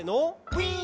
「ウィン！」